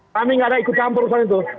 kami gak ada ikut campur usaha itu